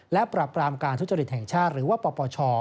และปรับปรามการทุจริตแห่งชาติหรือว่าปปช